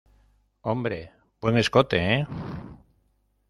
hombre. buen escote, ¿ eh?